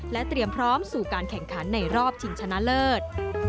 เตรียมพร้อมสู่การแข่งขันในรอบชิงชนะเลิศ